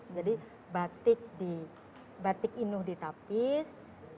jadi batik inuh ditapis